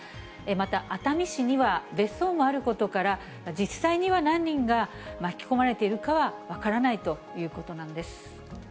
また熱海市には別荘もあることから、実際には何人が巻き込まれているかは分からないということなんです。